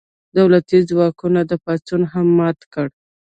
دولتي ځواکونو دا پاڅون هم مات کړ.